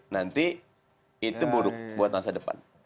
nanti itu buruk buat masa depan